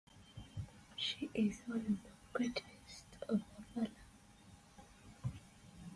She is one of the greatest of the Valar.